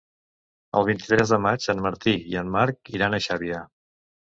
El vint-i-tres de maig en Martí i en Marc iran a Xàbia.